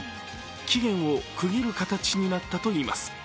期限を区切る形になったといいます。